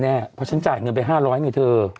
เพราะฉันจ่ายเงินไป๕๐๐ไงเธอ